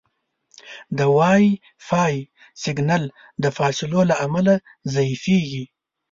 د وائی فای سګنل د فاصلو له امله ضعیفېږي.